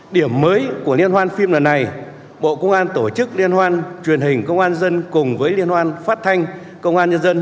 điểm mới của liên hoan phim lần này bộ công an tổ chức liên hoan truyền hình công an dân cùng với liên hoan phát thanh công an nhân dân